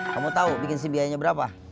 kamu tau bikin sim biayanya berapa